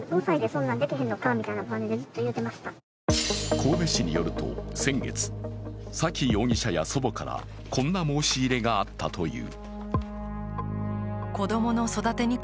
神戸市によると、先月沙喜容疑者や祖母からこんな申し入れがあったという。